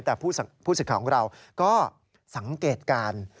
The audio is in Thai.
แต่ผู้สิทธิ์ของเราก็สังเกตการณ์